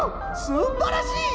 すんばらしい！